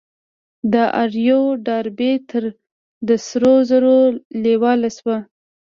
د آر يو ډاربي تره د سرو زرو لېواله شو.